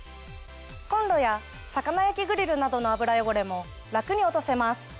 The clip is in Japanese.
コンロや魚焼きグリルなどの油汚れも楽に落とせます。